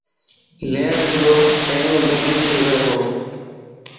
ليڻ جو ٽيم بدلي ٿي ويووَ